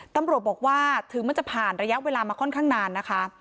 ตำรวจบอกว่าถึงมันจะผ่านระยะเวลามาค่อนข้างนานนะคะ